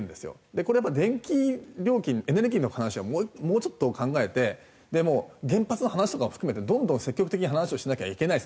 これやっぱり電気料金エネルギーの話はもうちょっと考えてもう原発の話とかを含めてどんどん積極的に話をしなきゃいけないです。